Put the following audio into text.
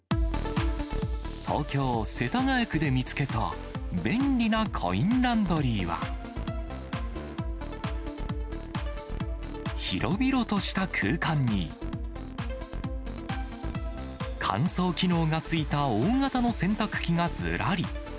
東京・世田谷区で見つけた、便利なコインランドリーは、広々とした空間に、乾燥機能がついた大型の洗濯機がずらり。